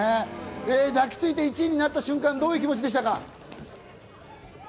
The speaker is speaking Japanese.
抱きついて１位になった瞬間、どういう気持ちでしたか？